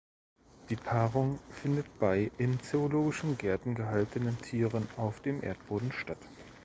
Die Paarung findet bei in Zoologischen Gärten gehaltenen Tieren auf dem Erdboden statt.